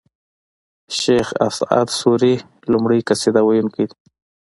شېخ اسعد سوري لومړی قصيده و يونکی دﺉ.